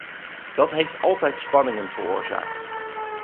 Dat heeft altijd spanningen veroorzaakt.